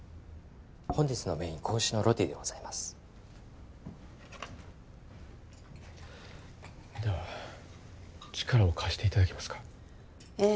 本日のメイン仔牛のロティでございますでは力を貸していただけますかええ